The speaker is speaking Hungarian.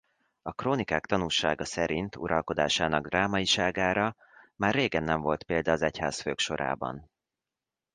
A krónikák tanúsága szerint uralkodásának drámaiságára már régen nem volt példa az egyházfők sorában.